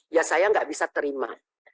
ya saya nggak bisa terima